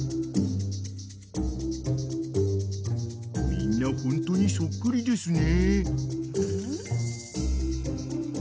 ［みんなホントにそっくりですね］